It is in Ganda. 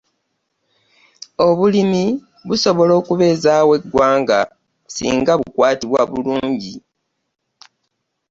Obulimi busobola okubeezaawo eggwanga singa bukwatibwa bulungi.